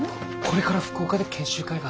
これから福岡で研修会があって。